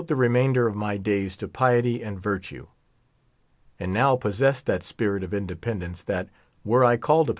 « r^ maio^^T of my days to piety and virtue, and now |rt,H*«»«« tbAt spirit of independence that, were I rrillr.l